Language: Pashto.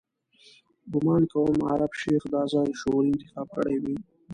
ګومان کوم عرب شیخ دا ځای شعوري انتخاب کړی وي.